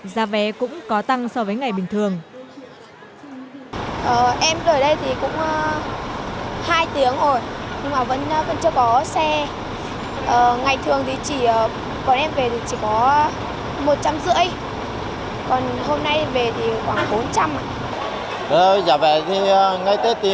giá vé cũng có tăng so với ngày bình thường